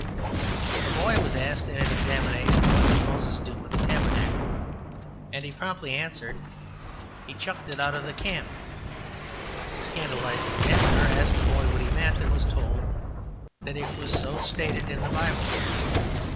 '' A boy was asked in an examination, ``What did Moses do with the tabernacle?'' and he promptly answered, ``He chucked it out of the camp.'' The scandalised examiner asked the boy what he meant, and was told that it was so stated in the Bible.